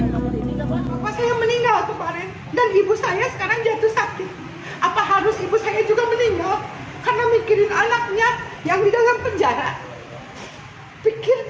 bapak saya meninggal kemarin dan ibu saya sekarang jatuh sakit